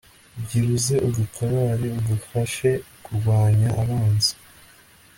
gira uze udutabare, udufashe kurwanya abanzi